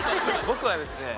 僕はですね